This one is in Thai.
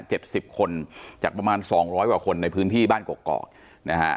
สิบคนจากประมาณสองร้อยกว่าคนในพื้นที่บ้านกอกนะฮะ